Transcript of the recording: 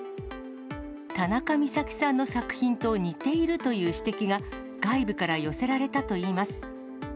たなかみさきさんの作品と似ているという指摘が、外部から寄せられたといいます。